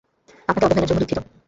আপনাকে অবহেলার জন্য দুঃখিত।